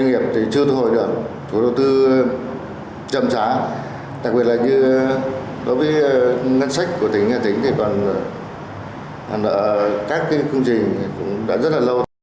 nhưng đối với ngân sách của tỉnh hà tĩnh thì các công trình cũng đã rất là lâu